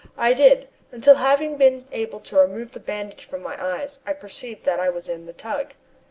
"I did, until having been able to remove the bandage from my eyes, I perceived that I was in the tug."